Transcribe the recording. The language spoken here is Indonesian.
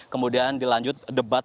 kemudian dilanjut debat